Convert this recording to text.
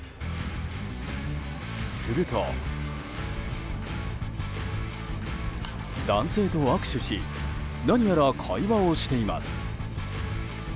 すると男性と握手し何やら会話をしています。